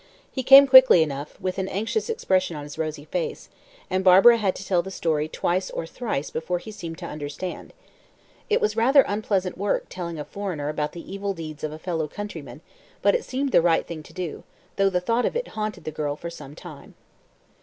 He came quickly enough, with an anxious expression on his rosy face, and Barbara had to tell the story twice or thrice before he seemed to understand. It was rather unpleasant work telling a foreigner about the evil deeds of a fellow countryman, but it seemed the right thing to do, though the thought of it haunted the girl for some time.